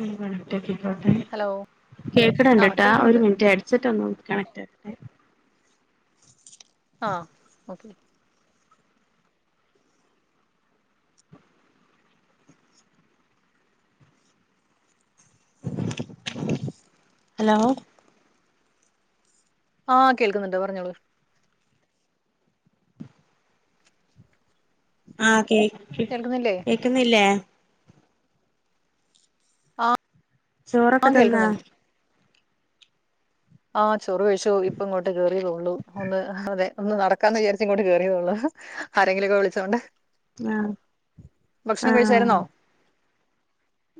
ഉം കണക്റ്റ് ആക്കിക്കോട്ടെ ഹലോ കേക്ക്ണ് ആഹ് ഇണ്ട്ട്ടാ ഒരു കേൾക്കുന്നുണ്ട് മിനിറ്റ് ഹെഡ്സെറ്റ് ഒന്ന് കണക്റ്റ് ആ ഏഹ് ആഹ് ഓക്കെ ഹലോ ആഹ് കേൾക്ക്ന്നുണ്ട് പറഞ്ഞോളൂ ആഹ് കേ കേൾക്ക്ന്നില്ലേ? ക്ക്ന്നില്ലേ? ചോറൊക്കെ ആഹ് തിന്നാ? കേൾക്കുന്നുണ്ട് ആഹ് ചോറു കഴിച്ചു ഇപ്പ ഇങ്ങോട്ട് കേറിയള്ളൂ ഒന്ന് അതെ ഒന്ന് നടക്കാന്ന് വിചാരിച്ച് ഇങ്ങോട്ട് കേറിയള്ളൂ ആരെങ്കിലൊക്കെ വിളിച്ചോണ്ട് ആഹ് ഭക്ഷണം ആഹ് കഴിച്ചായിരുന്നോ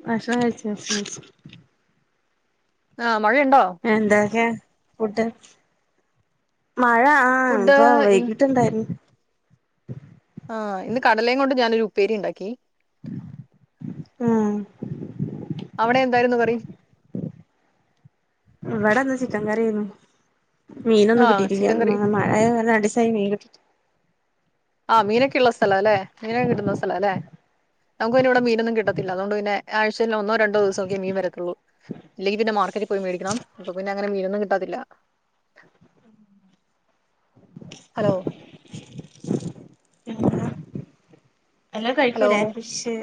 ഭക്ഷണം കഴിച്ചോ ഉം ആഹ് മഴയണ്ടോ? എന്തക്കെ ഫുഡ്‌ മഴ ആഹ് ആഹ് ഫുഡ് ഇപ്പ ഇ വൈകിട്ട് ഇണ്ടായിരുന്നു ആഹ് ഇന്ന് കടലേം കൊണ്ട് ഞാനൊരു ഉപ്പേരി ഇണ്ടാക്കി ആഹ് അവിടെ എന്തായിരുന്നു കറി? ഇവിടെന്ന് ചിക്കൻ കറി ആയ്ന്നു മീനൊന്നും ആഹ് കിട്ടീറ്റില്ല ചിക്കൻ കറി ഇന്ന് അഹ് വ്അ രണ്ടീസായി മീൻ കിട്ടിറ്റ്. ആഹ് മീനൊക്കെള്ള സ്ഥലാലെ മീനൊക്കെ കിട്ടുന്ന സ്ഥലാലെ. ഞങ്ങക്ക് പിന്നെവ്ടെ മീനൊന്നും കിട്ടത്തില്ല അതോണ്ട് പിന്നെ ആഴ്ചയിൽ ഒന്നോ രണ്ടോ ദിവസൊക്കെ മീൻ വരത്തൊള്ളൂ. ഇല്ലങ്കിപ്പിന്നെ മാർക്കറ്റിപ്പോയി മേടിക്കണം അപ്പൊ പിന്നെ മീനൊന്നും കിട്ടാതില്ല. ഹലോ. [unintelligible] എല്ലാം ഹലോ കഴിക്കുലെ ഫിഷ്..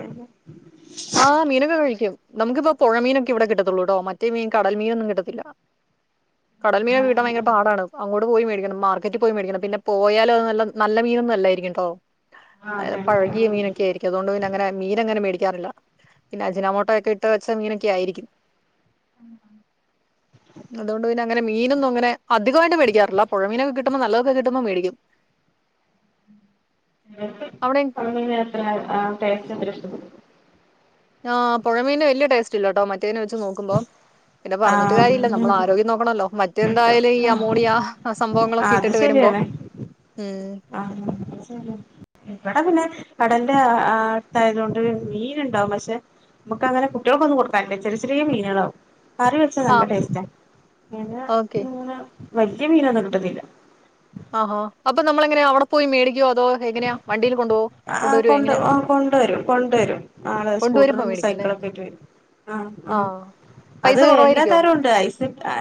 ആഹ് മീനൊക്കെ കഴിക്കും നമുക്ക്‌പ്പം പൊഴമീനൊക്കെവിടെ കിട്ടാത്തൊള്ളൂ മറ്റേ മീൻ കടൽമീനൊന്നും കിട്ടത്തില്ല. കടൽമീനൊക്കെ കിട്ടാൻ ഭയങ്കര പാടാണ്. അങ്ങോട്ട് പോയി മേടിക്കണം മാർക്കറ്റ്പോയി മേടിക്കണം പോയാലും അത് നല്ല നല്ലമീനൊന്നും അല്ലായിര്ക്കും ട്ടൊ. അഹ് പഴകിയ മീനൊക്കെര്ക്കും അതോണ്ട് തന്നെ അങ്ങനെ മീനങ്ങനെ മേടിക്കാറില്ല. പിന്ന അജ്നാമോട്ടയോക്കെയിട്ട് വെച്ച മീനൊക്കെയായിരിക്കും. അതോണ്ട് പിന്നാങ്ങനെ മീനൊന്നും ങ്ങനെ അധികമായിട്ട് മേടിക്കാറില പൊഴമീനൊക്കെ കിട്ടുമ്പോ നല്ലതൊക്ക കിട്ടുമ്പോ വേടിക്കും. അവിടെ അമ്മീനത്ര ആ ട്ടെഷ്റ്റത്രെഷ്ട്ടാ.. ആ പൊഴമീൻ വല്യട്ടെസ്റ്റില്ലാട്ടോ മറ്റേനവെച്ച് നോക്കുമ്പോ. പിന്നെ പറഞ്ഞിട്ട് കാര്യല്ല്യ നമ്മള് ആഹ് ആരോഗ്യം നോക്കാനല്ലോ മറ്റേന്തായാലും ഈ ആഹ് അമോണിയാ ഹ് അ സാമ്പാവങ്ങളൊക്കെ ഇട്ടിട്ട് വരുമ്പോ. ഉം [unintelligible] ഇവടെ പിന്നെ കടൽന്റ അആ അട് ത്തയ്തോണ്ട് മീനുണ്ടാകും പക്ഷെ. നമ്മക്കങ്ങനെ കുട്ടികൾക്കൊന്നും കൊടക്കാൻ പറ്റൂല ചെറിചെറിയെ മീനാളാകും. കറി വെച്ചാ ആഹ് നല്ലടെസ്റ്റ പിന്നെ ഓക്കെ ങ്ങനെ വല്യമീനൊന്നും കിട്ടത്തില്ല. അഹാ അപ്പംനമ്മളെങ്ങനെയാ അവടെപ്പോയി മെഡിക്ക്യോ അതോ എങ്ങനെയാ വണ്ടീൽകൊണ്ടുപോ.. ആ കൊണ്ട് കൊണ്ട് വരും കൊണ്ട് വരും ആഹ് കൊണ്ടുവരുമ്പോ സ്കൂറ്ററും മേടിക്കും അല്ലേ സൈകളൊക്കൈറ്റ് വരും. അ അ ആഹ് പൈസ അത് കുറവായിരിക്കോ എല്ലാത്തരുംണ്ട് ഐസ്‌ടട്ടാ..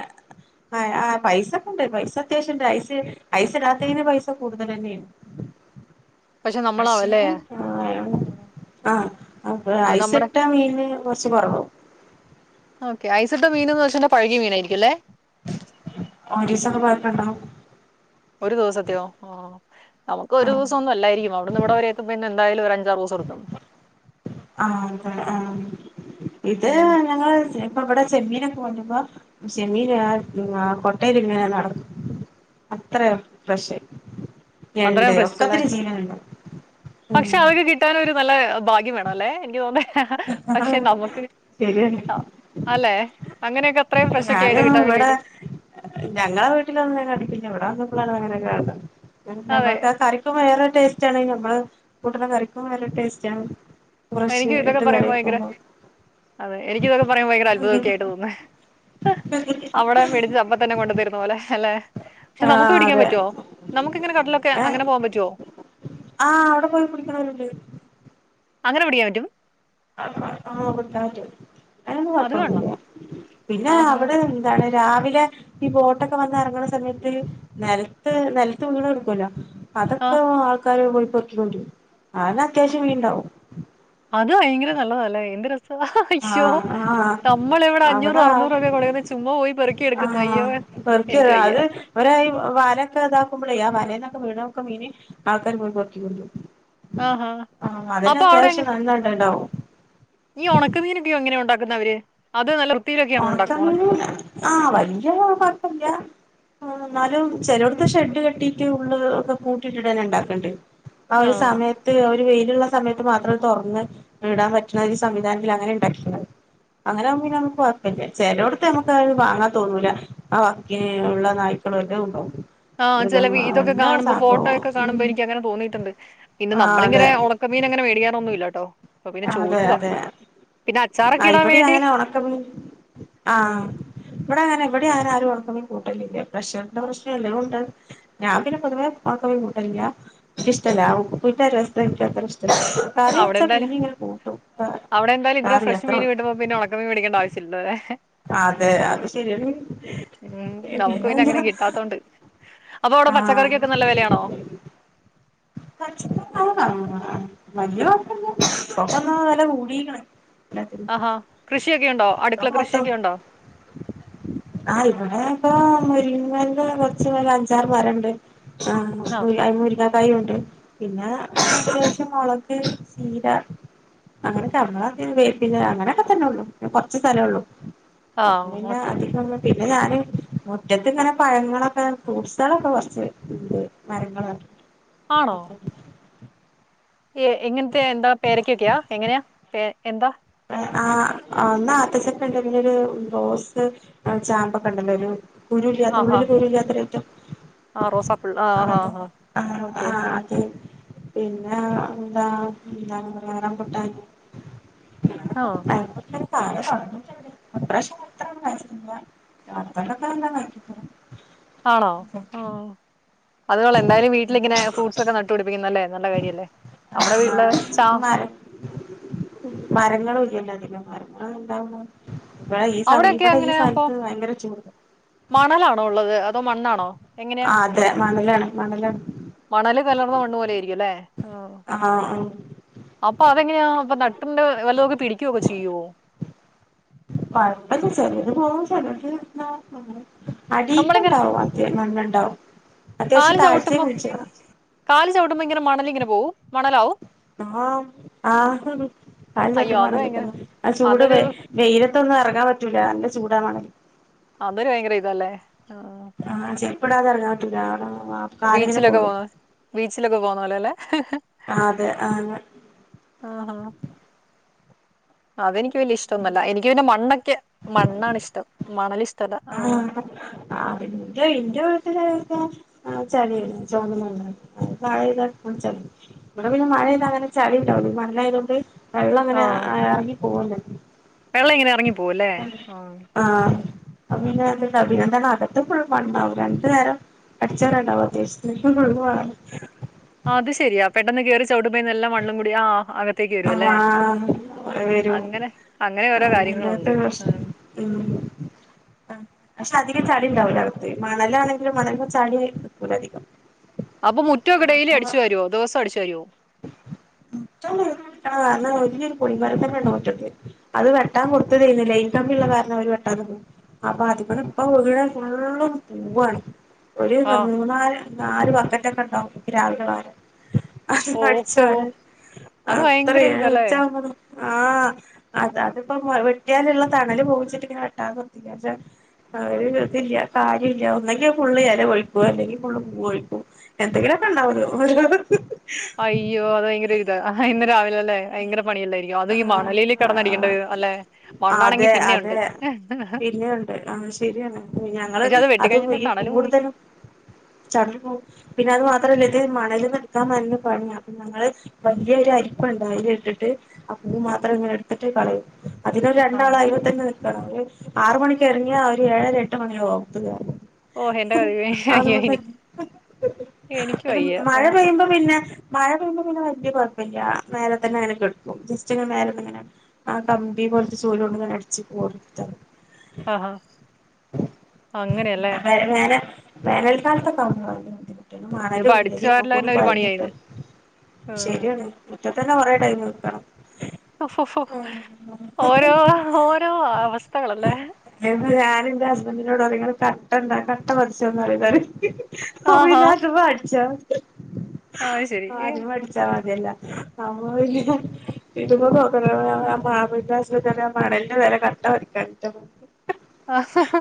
ഹേ പൈസൊക്കെണ്ട് പൈസത്യാവശ്യണ്ട് ഐസ് ഐസിടാത്തീൻ പൈസ കൂടുതലെ ന്നേണ്. പക്ഷെ പക്ഷേ നമ്മളാവല്ലേ ആഹ് ആ, ആഹ് അത് ഐസിട്ടമീൻ. കൊർച് കൊറവ്. ഒക്കെ ഐസ്‌ട്ടമീനുന്നുവെച്ച പഴകിയ മീനായിരിക്കും ലെ. ഒരീസൊക്കെ പഴക്കണ്ടാകും. ഒരു ദിവസത്തെയോ ആ നമുക്ക് ഒര് ആഹ് ദിവസന്നല്ലാര്ക്കും അവടുന്ന് ഇവിടംവരെ എത്തുമ്പയെ ഇതെന്തയാലും ഒര് അഞ്ചാറ് ദിവസേടുക്കും. ആഹ് ആഹ് ഇത് ഉം ഞങ്ങള്വ്ട്ത്യ. പ്പം വടെ ചെമ്മീനൊക്കെ കൊണ്ടരുമ്പോ ചെമ്മീന് ആ കൊട്ടെലിങ്ങ്നെ നടക്ക. അത്രയും ഫ്രഷായിരിക്കും ഞണ്ട് അത്രയും ഫ്രഷ് അല്ലേ ഒക്കത്തിനും ജീവനുണ്ടാകും. പക്ഷെ അതൊക്കെ കിട്ടാൻ ഒര് നല്ല ഭാഗ്യം വേണംലെ ൻക് തോന്നണേ. ആ പക്ഷെ നമുക്ക് ശരിയാണ് ത അല്ലെ. അങ്ങനെയൊക്കെ അത്രയും ഫ്രഷ് ഒക്കെ ആയിട്ട് ഞാനും കിട്ടാൻ വടെ. വേണ്ടിട്ട് ഞങ്ങളുടെ വീട്ടിലൊന്നും ങ്ങനെ അടുപ്പിക്ക് അതെ [unintelligible] പ്പം വേറൊര് ട്ടെസ്റ്റാണൈന് ഞമ്മള് കൂട്ടുന്നകറിക്കും നല്ല ട്ടെസ്റ്റാണ്. എനിക്ക് ഇതൊക്കെപറയുമ്പോ ഭയങ്കര അതെ എനിക്ക് ഇതൊക്കെ പറയുമ്പോ ഭയങ്കര അത്ഭുതംക്കെ ആയിട്ടാ തോന്നുന്നേ. ഹ് അവിടെ പിടിച്ച് അപ്പതന്നെ കൊണ്ട്തരുന്ന പോലെ ല്ലേ. ക്ഷേ ആ നമുക്ക് പിടിക്കാൻ അതെ പറ്റോ നമുക്കങ്ങനെ കടലിലൊക്കെ അങ്ങനെ പോകാൻ പറ്റോ. ആഹ് അവിടെപ്പോയി പിടിക്കുന്നവരുണ്ട്. അങ്ങനെ പിടിക്കാൻ പറ്റും. ആ അ പിടിക്കാൻ പറ്റും അതിനൊന്നും അത് കൊള്ളാം. കൊയ്പോന്നൂല്യ പിന്നെ ആഹാ! അവ്ടെ. താണ് രാവിലെ. ഈ ബോട്ടൊക്കെ വന്ന് എറങ്ങണ സമയത്ത് നെലത് നെല്ത് വീണെടുക്കൊല്ലോ. ആ അതൊക്കെ ആൾകാര് നുള്ളിപ്പർകി കൊണ്ടരും അതന്നെ അത്യാവശ്യം മീണ്ടാകും. അത് ഭയങ്കര നല്ലതല്ലേ എന്ത് രസ അയ്യോ ആഹ് ആഹ് നമ്മൾ എവിടെ അഞ്ഞൂറ് അവിടെ അറുന്നൂറക്കെ കൊടുക്കുന്ന ചുമ്മാ പോയി പെറുക്കിയെടുക്കുന്നു അയ്യോ അയ്യോ വർക്കറ അതെ ഒ വലയ ഒക്കെ ഇതാക്കുമ്പോഴേ ആ വലന്നൊക്കെ വീണൊക്കെ മീനെ ആൾക്കാർ മുൻപക്കുള്ളു ആഹാ! ആഹ് അതെന്നെ അത്യാവശ്യം നന്നണ്ടണ്ടാവും നീ ഉണക്കുന്നീനൊക്കെയോ എങ്ങനെയ ഉണ്ടാക്കുന്ന അവര് അത് നല്ല വൃത്തിയിലൊക്കെയണ ഒണക്ക ഉണ്ടാക്കും ഉണക്ക മീന് ആഹ് വല്ല്യ കൊഴപ്പില്ല ആ എന്നാലും ചെലോടത്തെ ഷെഡ് കട്ടീട്ട് ഉള്ള് ഒക്കെ കൂട്ടിട്ടിടാനെ ഇണ്ടാക്കണ്ട് അവ ഒരു ആ. സമയ ത്ത് അവര് വെയിലുള്ള സമയത്ത് മാത്രം തുറന്ന് ഇടാൻ പറ്റുന്ന ഒരു സംവിധാനത്തി അങ്ങനെ ഉണ്ടാക്കുന്നത് അങ്ങനെ ആമ്പോ പിന്നെ നമ്മക്ക് പിന്നെ ചെലോടത്ത് നമുക്ക്ത് വാങ്ങാൻ തോന്നൂല ആ വാക്ക ഉള്ള നായ്ക്കളും എല്ലാം ഉണ്ടാവും ആഹ് ചില മൃഗങ്ങള് ഇതൊക്കെ എല്ലാ കാണുമ്പോ ഫോട്ടോ സംഭവവും ഒക്കെ ഉം കാണുമ്പൊ എനിക്ക് അങ്ങനെ തോന്നിട്ടുണ്ട് പിന്നെ ആഹ് നമ്മളിങ്ങനെ അതെ ചെമ്മീനങ്ങനെ മേടിക്കാറുന്നില്ലട്ടോ അതെ അതെ ആ അച്ചാറൊക്കെ ഇടാൻ ഇവിടെ വേണ്ടി അങ്ങനെ ഉണക്ക മീൻ ഉം ആഹ ഇവിടെ അങ്ങനെ ഇവിടെ ആരും ആരും ഒണക്ക മീൻ കൂട്ടലില്ല പ്രഷറിന്റെ അ- പ്രശ്നം ഇല്ലൊണ്ട് ഞാൻ പിന്നെ പൊതുവേ ഒണക്ക മീൻ കൂട്ടലില്ല ഇന്കി ഇഷ്ടല്ല ആ ഉപ്പിന്റ രസം ഇന്കി അത്ര ഇഷ്ടല്ല കറി അവിടെ വെച്ചാ എന്തായാലും പിന്നിം ഇങ്ങനേം കൂട്ടും അവിടെ എന്തായാലും ഇത്ര കറി ഫ്രഷ് അത്ര മീൻ ഉള്ളു കിട്ടുമ്പോ പിന്നെ ഉണക്കമീ മേടിക്കണ്ട ആവശ്യം ഇല്ലല്ലേ അതെ അത് ശെരിയാണ് ഉം നമുക്ക് പിന്നെ അങ്ങനെ കിട്ടാത്തൊണ്ട് അപ്പൊ അവിടെ ആഹ് പച്ചക്കറിക്കൊക്കെ നല്ല വിലയാണോ [unintelligible] വലിയ കുഴപ്പല്ല ഇപ്പൊക്കന്നാ വെല കൂടിക്ക്ണ് ആഹാ കൃഷിയൊക്കെ ഉണ്ടോ ഇപ്പൊ അടുക്കള കൃഷിയൊക്കെ ഉണ്ടോ ആ ഇവിടെ ഇപ്പൊ മുരിങ്ങല് കൊറച്ച് അഞ്ചാറ് വരണ്ട് ആഹ ആഹ് [unintelligible] കായുംണ്ട് പിന്നെ മുളക് ചീര അങ്ങനെ നമ്മളെ വേപ്പില അങ്ങനെയൊക്കെ തന്നൊള്ളൂ കുറച്ച് സ്ഥലൊള്ളു അത് ആഹ് പിന്നെ ഓക്കെ അധികം പിന്നെ ഞാന് മുറ്റത്ത് ഇങ്ങനെ പഴങ്ങളൊക്കെ ഫ്രൂട്ട്സാളൊക്കെ കുറച്ച് ഇണ്ട് മരങ്ങള ആണോ എങ്ങനത്തെ എന്താ പേരക്കൊക്കെയാ എങ്ങനെയാ പ എന്താ ആ ഒന്ന് ആത്തച്ചക്ക ഉണ്ടെങ്കില ഒരു റോസ് ചാമ്പക്ക ഇണ്ടല്ലോ ഒരു കുരു ഇല്ലാത്ത ആഹാ ഉള്ളില് കുരു ഇല്ലാത്തൊരയിറ്റം ആ റോസാപ്പൂൾ ആഹ് അതെ ആഹ് ആഹ് ആഹ ഓക്കെ ആഹ അതെ പിന്നെ എന്താ എന്താണ് പറയാ റംബൂട്ടാൻ ഓഹ് തന്നിട്ടുണ്ട് [unintelligible] ആണോ ഓ അത് കള എന്തായാലും വീട്ടിലിങ്ങനെ ഫ്രൂട്ട്സ് ഒക്കെ നട്ടുപിടിപ്പിക്കുന്നല്ലേ നല്ല കാര്യല്ലേ ആ നമ്മടെ വീട്ടിലെ മരം മരങ്ങളും ഇല്ലല്ലോ അതികം മരങ്ങള് എന്താവോ ഇവിടെ ഈ സ അവിടെയൊക്കെ ഇവിടെ ഈ അങ്ങനെ അപ്പൊ സ്ഥലത്ത് ഭയങ്കര മണലാണോ ഉള്ളത് അതോ മണ്ണാണോ എങ്ങനെയാ ആ അതെ മണലാണ് മണലാണ് മണല് കലർന്ന മണ്ണ് പോലെയിരിക്കും അല്ലേ ആ ആഹ ആ അപ്പൊ അതെങ്ങനെയാ അപ്പ നട്ടിന്റെ വല്ലതൊക്കെ പിടിക്കൊയൊക്കെ ചെയ്യുവോ കൊഴപ്പ് ഇല്ല്യ ചെലത് പോവും ചെലത് അടീക്ക് നമ്മളിങ്ങനെ ഇണ്ടാവും മണ്ണ്ണ്ടാവും കാല് ചവിട്ടുമ്പോ കാല് ചവിട്ടുമ്പോ ഇങ്ങനെ മണലിങ്ങനെ പോവും മണലാവും ആ ആ കാല് ചട്ട് അയ്യോ അത് മണൽ ഭയങ്കര തന്ന ആ ചൂട് അതൊരു വെയിലത്തൊന്നും ഇറങ്ങാൻ പറ്റൂല നല്ല ചൂടാ മണല് അതൊരു ഭയങ്കര ഇതല്ലേ ആഹ് ചെരുപ്പിടാതെ ഇറങ്ങാൻ പറ്റൂല കാലിങ്ങനെ ബീച്ചിലൊക്കെ പൊള്ളും പോന്ന ബീച്ചിലൊക്കെ പോന്നോലെല്ലെ ആഹ് അതെ ആഹ് ആഹ് അതെനിക്ക് വല്യയ ഇഷ്ട്ടൊന്നല്ല എനിക്ക് പിന്നെ മണ്ണൊക്കെ മണ്ണാണ് ഇഷ്ടം മണല് ഷ് ആഹ് അതന്റെ ഇന്റെ വീട്ട്ലാരോക്കെ ആഹ് ചളിയല്ല ചോന്ന മണ്ണ മഴപെയ്ത ഉം ചളി ഇവടെ പിന്നെ മഴേയ്താതന്നെ ചളിണ്ടാവൂ മണലായതോണ്ട് വെള്ള അങ്ങനെ ആഎറങ്ങി പോവല്ലോ വെള്ള ഇങ്ങനെ അറങ്ങിപ്പോവുല്ലേ ആഹ് ആഹ് അപപിന്നെ ന്ത്ട്ടാ പിന്നന്താന്നാ അകത്തും ഫുള്ളും മണ്ണാവു രണ്ട്നേരം അട്ച്ചോരാണ്ടാവു അത്യാവശ്യത്തിന് ഫുൾ ഫുൾ ഫോണാ ആത് ശരിയാ പെട്ടെന്ന് കേറി ചവ്ട്ടുമ്പേ നെല്ല മണ്ണും കൂടി ആഹ് അക ത്തേക്ക് വരോല്ലേ ആഹ് വരൂ അങ്ങനെ അങ്ങനെ ഓരോ അല്ലാത്ത കാര്യങ്ങളുണ്ട് ഉം ഉം ആഹ് പക്ഷെ അധികം ചളിണ്ടാകുല അകത്ത് മണലാണെങ്കിലും മണൽമെ ചളി നിക്കൂല അധികം അപ്പൊ മുറ്റൊക്കെ ഡൈലി അടിച്ച് വാരോ ദിവസം അടിച്ച് വാരോ മുറ്റന്നുല്യ ആഹ് ന്നവല്യരു പുളി മരം തന്നെണ്ട് മുറ്റത്ത് അത് വെട്ടാൻ കൊട്ത്തതേന്ന് ലൈൻ കമ്പിള്ള കാര്ണം അവര് വെട്ടാനി അപ്പൊ അതിപ്പന്ന് പ്പവീഴ ഫുള്ളും പുവ്വാണ് ഒരു ആഹ്. ന്നമൂന്നാല് നാല് ബക്കറ്റ ക്കണ്ടാവും രാവ് ലെ വാരാ ഓഹോ! അട്ച്ചോരാൻ അത് ഭയങ്കര അത്രയേൺ ഒരിതല്ലേ? ച്ചാമ്പോത്തി ആഹ് അതാണ്പ്പോ മഴവെട്ട്യാല്ള്ള തണല് പോവുച്ചിട്ടിങ്ങനെ വെട്ടാത നിർത്തിക്യ പക്ഷെ അതോണ്ട് പിന്നെ നിർതില്ല്യ കാര്യല്ല ഒന്നെങ്കി ഫുള്ള് എല ഒഴിപ്പോ അല്ലെങ്കി ഫുള്ളും പൂവൊഴിപ്പോ എന്തെങ്കിലൊക്കെ ണ്ടാവൊല്ലോ അയ്യോ അത് ഭയങ്കര ഇതാ ഇന്ന് രാവിലെല്ലേ അയ്ങ്കര പണിയല്ലായി അയ്യോ അത് ഈ ആഹ് മണലില് കെടന്നടിക്കേണ്ട ആഹ് വരും അല്ലെ മണ്ണാണെങ്കി അതെ അതെ പിന്നെയുണ്ട് പിന്നെയുണ്ട് ആഹ് ശരിയാണ് ഞങ്ങള് പക്ഷെ അത് വെട്ടിക്കഴിഞ്ഞിട്ട് തണലും പോയി. പീകൂടുതലും ചളി പിന്നെ അത് മാത്രല്ല ഇത് മണല്ന്ന്ട്ക്കാം നല്ല പണിയ അപ്പ ഞങ്ങള് വല്യയര് അരിപ്പണ്ട് ഐലിട്ട്ട്ട് ആഹ് പൂ മാത്രം ഇങ്ങനെട്ത്തിട്ട് കളയും ആഹ്. അതിനൊരണ്ടാളയ്മതന്നെ നി ങ്ങ്യേണോങ്ങേ ആറുമണിക്ക് എർങ്ങ്യാ ഒര് ഏഴ്ര എട്ട് മണിയാകും ഒത്തുകേ ഓഹ് എന്റെ ദൈവമേ! അയ്യോ എനി അതോണ്ടൻ എനിക്ക് വയ്യ. മഴ ആഹ്. പെയ്യുമ്പോ പിന്നെ മഴപെയ്യുമ്പോ പിന്നെ വല്ല്യ കൊഴപ്പല്യാ മേലെതന്നെ കട് ജസ്റ്റ് ഇങ്ങനെ മേലന്ന്ങ്ങനെ ആകമ്പി പോൽത്ത ചൂലൊണ്ട്ങ്ങനെ അടിച്ച് കോരിട്ത്താ ആഹാ അങ്ങനെയല്ലേ വേന വേനൽക്കാൽത്തൊക്കവ്ട്ന്നാ ഇതിപ്പോ മണലും അടിച്ചു തര്യായ്പോം വാരല് പൊടി തന്നെ ഒരു പണിയായിന്ന്. പഴഞ്ഞിട്ടും ശര്യാണ് മുറ്റതന്നെ കൊറെ ടൈം വക്കണം ഫോ ഫോ ഫോ ഓരോ ഓരോ അവസ്ഥകളല്ലേ ഇര്ന്നഞാനിന്റെ ഹസ്ബൻറ്റിനോട് പറയും ഇങ്ങള് കട്ടന്താ കട്ട പതിച്ചോന്ന് പറയുംന്നോട് ആഹാ ആപിന്നെ അജബ അടിച്ചാ അത് ശരി ആഹ് അതിമ്മേ അടിച്ചമത്യല്ലാ അപ്പോ പിന്നെ ഇട്മ്പ നോക്കണെലോ [unintelligible] മണൽന്റെ വെലേ കട്ട പതിക്കാൻറ്റാ ആഹ്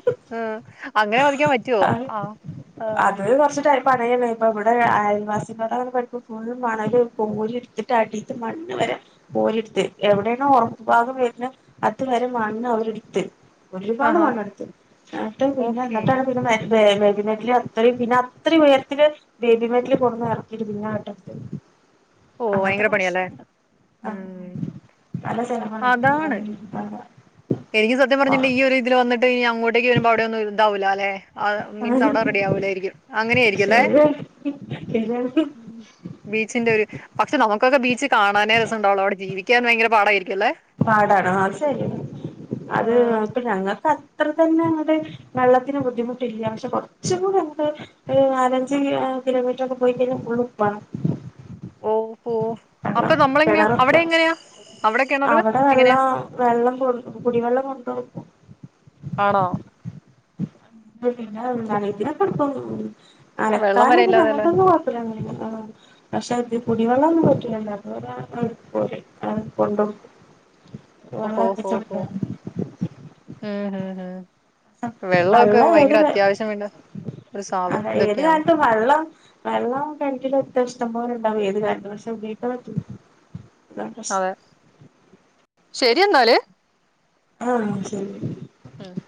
അങ്ങനെ മതിക്കാൻ പറ്റോ ആഹ് ആഹ് ഒരു വർഷേറ്റാ പറയേണ് ഇപ്പബടെ അയൽവാസികത പടിപ്പ് ഫുള്ളും മണലും കോരി ട്ത്തിട്ടടീത്തെ മണ്ണ് വരെ കോരിട്ത്ത് എവിടെണോ ഒറപ്പു ഭാഗം വര്ന് അത് വരെ മണ്ണ് അവരെട്ത്ത് ഒരുപാട് ആഹാ മണ്ണെട്ത്ത് ഏട്ടം പിന്നെ ഓക്കെ ന്ന്ട്ടാണ് പിന്നെ [unintelligible] അത്രയും പിന്നെ അത്രയും ഉയരത്തിൽ ബേബി [unintelligible] പിന്നെ ഓ ഭയങ്കര അങ്ങനത്തെക്കെ പണിയാല്ലേ പ്രശ്നം ഉണ്ട് ആഹ് ഉം നല്ല അതാണ് [unintelligible] എനിക്ക് സത്യം പറഞ്ഞിട്ട് ഈ ഒരു ഇതില് വന്നിട്ട് ഇനി അങ്ങോട്ടേക്ക് വരുമ്പോ അവിടെ ഒന്നും ഇതാവുല്ലല്ലേ ആഹ് മീൻസ് അവിടെ റെഡി ആവുലായിരിക്കും അങ്ങനെയായിരിക്കുല്ലേ ശരിയാണ് ബീച്ചിന്റെ ഒരു പക്ഷെ നമുക്കൊക്കെ ബീച്ച് കാണാനേ രസം ഉണ്ടാവുള്ള് അവിടെ ജീവിക്കാൻ ഭയങ്കര പാടായിരിക്കു അല്ലേ പാടാണ് അത് ശരി അത് ആഹ് ഇപ്പ ഞങ്ങക്ക അത്ര തന്നെ അങ്ങട്ട് വെള്ളത്തിന് ബുദ്ധിമുട്ടില്ല പക്ഷെ കുറച്ച്കൂടിണ്ട് ഒരു നാലഞ്ച്കിലോമീറ്ററൊക്കെ പോയി കഴിഞ്ഞ ഫുള്ള് ഉപ്പാണ് പോ അപ്പൊ വെള്ളം നമ്മളെങ്ങനെയാ കിണറൊക്കെ അവിടെങ്ങനെയാ അവിടെക്കിണറ് അവിടെ എങ്ങനെയാ വെള്ളം വെള്ളം കൊണ്ട കുടിവെള്ളം കൊണ്ട് പോകും ആണോ ഇത് പിന്നെ [unintelligible] വെള്ളം അലക്കാനും വരെ [unintelligible] [unintelligible] ഇല്ലാതെല്ലേ ആഹ് പക്ഷെ അത് കുടിവെള്ളം ഒന്നും പറ്റൂലല്ലോ അതു കോരും ഓഹോ [unintelligible] [unintelligible] ആഹ് ആഹ് ആഹ് വെള്ളൊക്കെ വെള്ളം ഏത് ഭയങ്കര അത്യാവശ്യം വേണ്ട ഒരു അത ഏത് സാധനം [unintelligible] കാലത്തും വെള്ളം വെള്ളം കിണറ്റിലൊക്കെ ഇഷ്ടം പോല ഉണ്ടാവും ഏത് കാലത്തും പക്ഷേ വീട്ട് ഉപയോഗിക്കാൻ അതാണ് പ്രശ്നം അതെ ശരി എന്നാല് ആഹ് ശരി ഉം